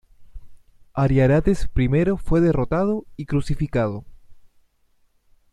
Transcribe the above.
Ariarates I fue derrotado y crucificado.